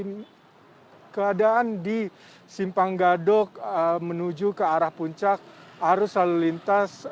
jadi keadaan di simpang gadok menuju ke arah puncak harus lalu lintas